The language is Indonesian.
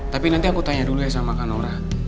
tapi nanti aku tanya dulu ya sama kak nora